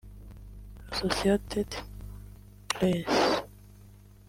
Associated Press